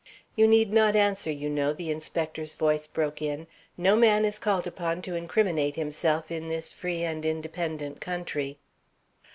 "You need not answer, you know," the inspector's voice broke in. "No man is called upon to incriminate himself in this free and independent country."